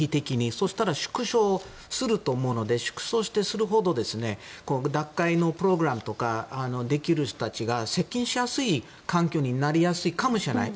そうしたら縮小すると思うので縮小するほど脱会のプログラムとかできる人たちが接近しやすい環境になりやすいかもしれない。